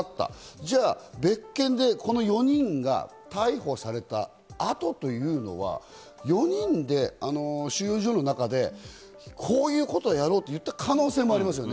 じゃあ別件でこの４人が逮捕された後というのは４人が収容所の中でこういうことをやろうと言った可能性もありますよね。